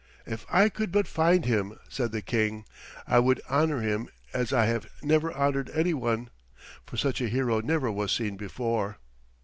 "If I could but find him," said the King, "I would honor him as I have never honored any one, for such a hero never was seen before."